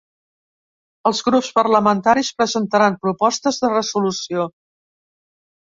Els grups parlamentaris presentaran propostes de resolució.